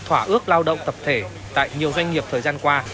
thỏa ước lao động tập thể tại nhiều doanh nghiệp thời gian qua